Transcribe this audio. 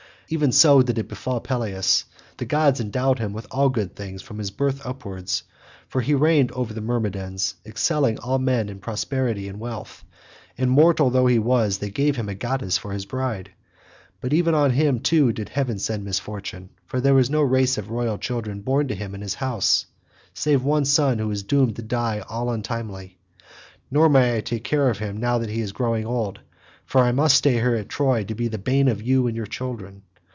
Even so did it befall Peleus; the gods endowed him with all good things from his birth upwards, for he reigned over the Myrmidons excelling all men in prosperity and wealth, and mortal though he was they gave him a goddess for his bride. But even on him too did heaven send misfortune, for there is no race of royal children born to him in his house, save one son who is doomed to die all untimely; nor may I take care of him now that he is growing old, for I must stay here at Troy to be the bane of you and your children.